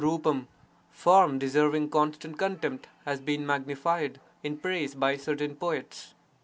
— form deserving constant contempt has been magnified (in praise) by certain poets.